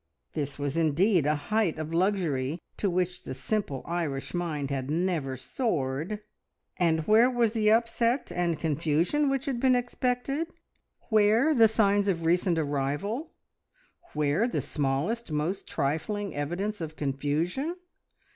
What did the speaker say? This was indeed a height of luxury to which the simple Irish mind had never soared; and where was the upset and confusion which had been expected, where the signs of recent arrival, where the smallest, most trifling evidence of confusion?